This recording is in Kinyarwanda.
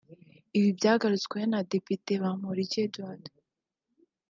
Ibi byagarutsweho na Depite Bamporiki Eduard